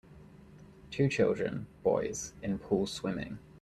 Two children, boys, in pool swimming.